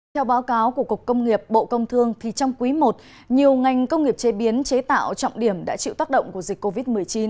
theo báo cáo của cục công nghiệp bộ công thương trong quý i nhiều ngành công nghiệp chế biến chế tạo trọng điểm đã chịu tác động của dịch covid một mươi chín